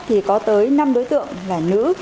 thì có tới năm đối tượng là nữ